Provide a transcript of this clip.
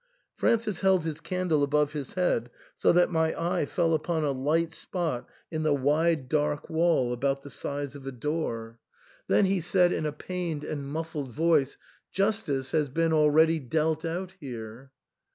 " Francis held his candle above his head, so that my eye fell upon a light spot in the wide dark wall about the size of a door ; then THE ENTAIL, 225 he said in a pained and mufBed voice, '^ Justice has been already dealt out here."